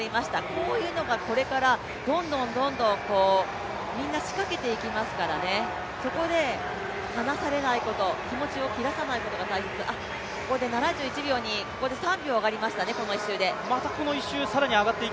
こういうのがこれからどんどんみんなしかけていきますからそこで話されないこと気持ちを切らさないことが大切、ここで７１秒にここで３秒上がりましたね、この１周で。